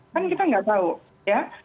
kan kita nggak tahu ya